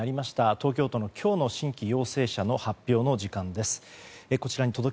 東京都の今日の新規陽性者の発表の時間です。